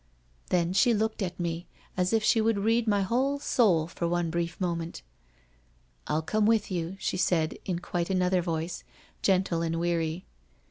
Then she looked at me as if she would read my whole soul for one brief moment. ' I'll come with you,' she said in quite another voice, * gentle and weary.